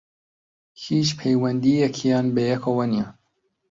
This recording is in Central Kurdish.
هیچ پەیوەندییەکیان بەیەکەوە نییە